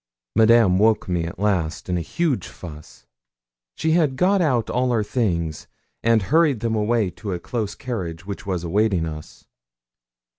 Madame awoke me at last, in a huge fuss. She had got out all our things and hurried them away to a close carriage which was awaiting us.